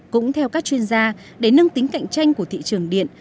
cũng theo các chuyên gia để nâng tính cạnh tranh của thị trường điện